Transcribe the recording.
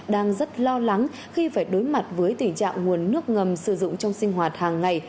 đang rất lo lắng khi phải đối mặt với tình trạng nguồn nước ngầm sử dụng trong sinh hoạt hàng ngày